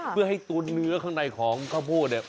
เพื่อให้ตัวเนื้อข้างในของข้าวโพดเนี่ย